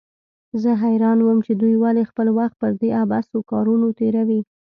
زه حيران وم چې دوى ولې خپل وخت پر دې عبثو کارونو تېروي.